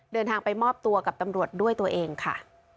เดินทางไปมอบตัวกับตำรวจด้วยตัวเองค่ะ